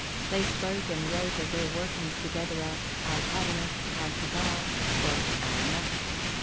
They spoke and wrote of their working together as "our Cabinet," "our Cabal," or "our Mess."